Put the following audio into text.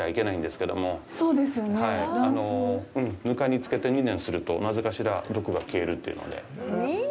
糠に漬けて２年すると、なぜかしら毒が消えるというので。